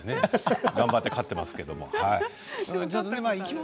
頑張って飼っていますけど。